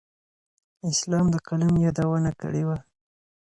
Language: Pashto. اسلام د قلم یادونه کړې وه.